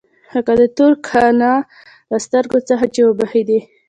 لکه د تور قانع له سترګو څخه چې وبهېدې.